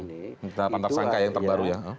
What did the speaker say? tidak pantasangka yang terbaru ya